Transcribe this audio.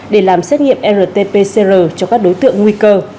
để làm xét nghiệm rt pcr cho các đối tượng nguy cơ